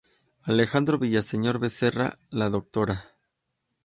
Alejandro Villaseñor Becerra, la Dra.